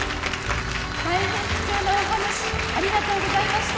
大変貴重なお話ありがとうございました。